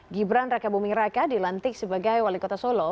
gibran raka bumiraka dilantik sebagai wali kota solo